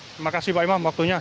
terima kasih pak imam waktunya